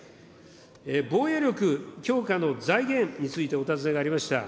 防衛力強化の財源についてお尋ねがありました。